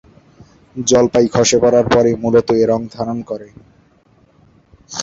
জলপাই খসে পড়ার পরই মুলত এ রং ধারণ করে।